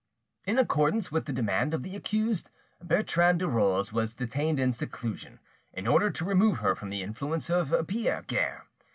In accordance with the demand of the accused, Bertrande de Rolls was detained in seclusion, in order to remove her from the influence of Pierre Guerre.